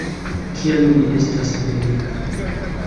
Kiel mi estas belega!